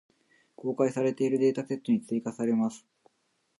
公開されているデータセットに追加せれます。